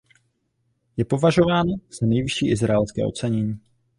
Je považována za nejvyšší izraelské ocenění.